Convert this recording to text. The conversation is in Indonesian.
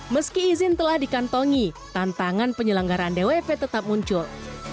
meski izin telah dikantongi tantangan penyelenggaraan dwp tetap muncul